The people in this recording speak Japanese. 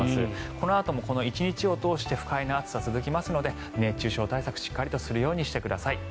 このあとも１日を通して不快な暑さ続きますので熱中症対策をしっかりするようにしてください。